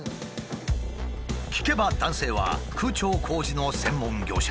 聞けば男性は空調工事の専門業者。